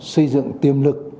xây dựng tiêm lực